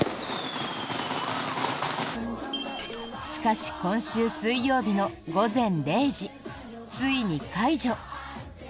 しかし、今週水曜日の午前０時ついに解除。